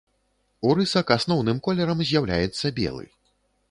У рысак асноўным колерам з'яўляецца белы.